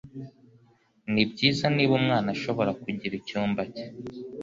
Nibyiza niba umwana ashobora kugira icyumba cye.